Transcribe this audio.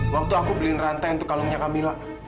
waktu aku beliin rantai untuk kalungnya camilla